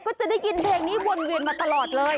ก็จะได้ยินเพลงนี้วนเวียนมาตลอดเลย